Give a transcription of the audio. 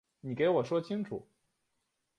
你给我说清楚